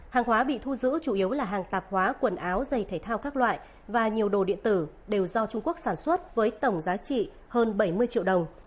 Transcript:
hàng hóa bị thu giữ chủ yếu là hàng tạp hóa quần áo giày thể thao các loại và nhiều đồ điện tử đều do trung quốc sản xuất với tổng giá trị hơn bảy mươi triệu đồng